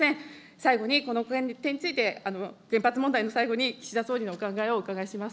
最後にこの点について、原発問題の最後に、岸田総理のお考えをお伺いします。